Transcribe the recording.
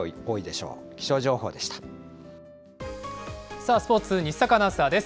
さあ、スポーツ、西阪アナウンサーです。